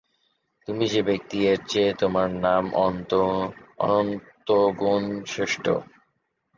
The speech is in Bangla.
তুমি যে ব্যক্তি, এর চেয়ে তোমার নাম অনন্তগুণ শ্রেষ্ঠ।